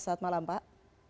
selamat malam pak